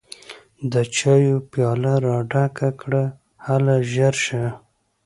د چايو پياله راډکه کړه هله ژر شه!